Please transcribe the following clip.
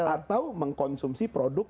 atau mengkonsumsi produk